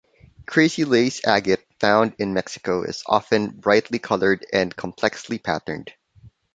"Crazy lace agate", found in Mexico, is often brightly colored and complexly patterned.